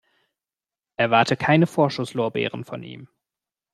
Erwarte keine Vorschusslorbeeren von ihm.